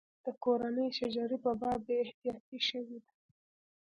د کورنۍ شجرې په باب بې احتیاطي شوې ده.